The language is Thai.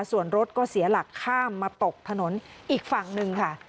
ส่วนรถก็เสียหลักข้ามมาตกถนนอีกฝั่งหนึ่งค่ะ